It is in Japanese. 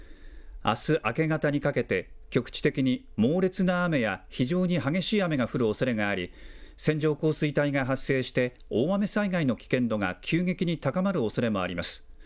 あす明け方にかけて、局地的に猛烈な雨や非常に激しい雨が降るおそれがあり、線状降水帯が発生して、大雨災害の危険度が急激に高まるおそれもあります。